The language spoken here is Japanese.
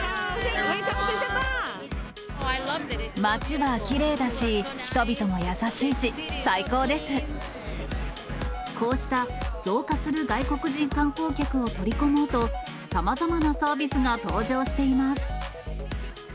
街はきれいだし、人々も優しいし、こうした増加する外国人観光客を取り込もうと、さまざまなサービスが登場しています。